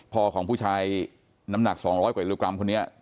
ของผู้ชายน้ำหนัก๒๐๐กว่ากิโลกรัมคนนี้